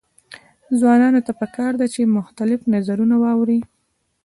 ځوانانو ته پکار ده چې، مختلف نظرونه واوري.